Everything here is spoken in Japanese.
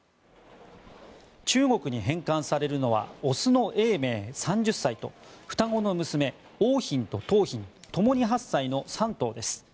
中国に返還されるのは雄の永明、３０歳と双子の娘、桜浜と桃浜ともに８歳の３頭です。